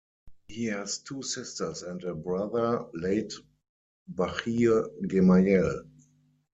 He has two sisters and a brother, late Bachir Gemayel.